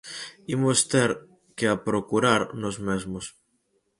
Imos ter que a procurar nós mesmos.